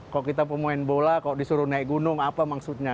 kalau kita pemain bola kalau disuruh naik gunung apa maksudnya